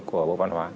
của bộ văn hóa